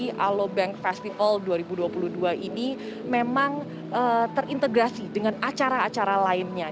job fair di alo bank festival dua ribu dua puluh dua ini memang terintegrasi dengan acara acara lainnya